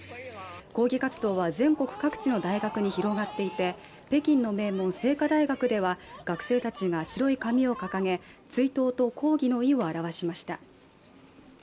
抗議活動は全国各地の大学に広がっていて、北京の名門・精華大学では学生たちが白い紙を掲げ追悼と抗議の意を表しました。